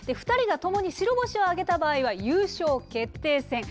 ２人がともに白星を挙げた場合は、優勝決定戦。